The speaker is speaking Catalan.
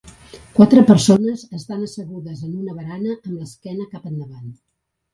Quatre persones estan assegudes en una barana amb l'esquena cap endavant.